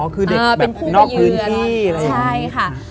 อ๋อคือเด็กแบบนอกพื้นที่ใช่ค่ะ